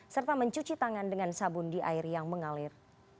serta mencuci tangan dengan sabun di air yang mengalir